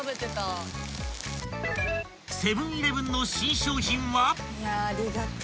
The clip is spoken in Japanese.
［セブン−イレブンの新商品は］